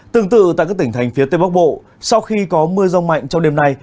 tương tự tại các tỉnh thành phía tây bắc bộ sau khi có mưa rông mạnh trong đêm nay